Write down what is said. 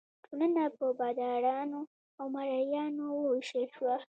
ټولنه په بادارانو او مرئیانو وویشل شوه.